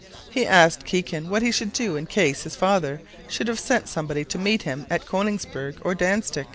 He asked Kikin what he should do in case his father should have sent somebody to meet him at Konigsberg or Dantzic.